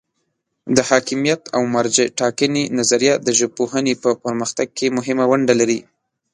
د حاکمیت او مرجع ټاکنې نظریه د ژبپوهنې په پرمختګ کې مهمه ونډه لري.